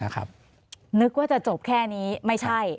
นึกว่าจะจบแค่นี้ไม่ใช่